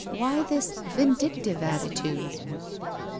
Why this vindictive attitude?"